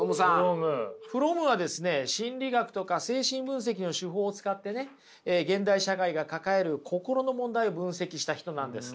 フロムはですね心理学とか精神分析の手法を使ってね現代社会が抱える心の問題を分析した人なんです。